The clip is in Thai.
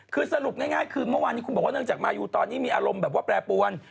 คือสรุปง่ายคือเมื่อวานนี้คุณบอกว่าเนื่องจากมายูตอนนี้มีอารมณ์แบบว่าแปรปวน